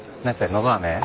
のどあめ？